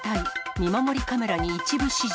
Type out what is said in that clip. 見守りカメラに一部始終。